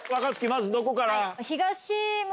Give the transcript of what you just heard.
まずどこから？